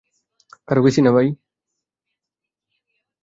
কারো গেসি না ভাই।